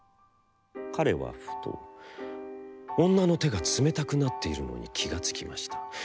彼はふと女の手が冷めたくなっているのに気がつきました。